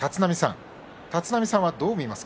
立浪さん、どう見ますか？